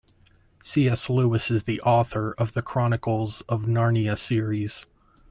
C.S. Lewis is the author of The Chronicles of Narnia series.